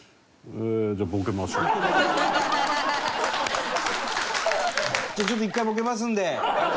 じゃあちょっと１回ボケますんで！